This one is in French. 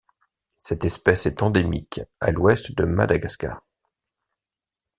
Cette espèce est endémique à l'ouest de Madagascar.